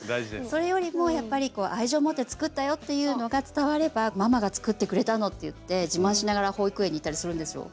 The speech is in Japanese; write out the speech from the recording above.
それよりもやっぱり愛情持って作ったよっていうのが伝われば「ママが作ってくれたの」って言って自慢しながら保育園に行ったりするんですよ。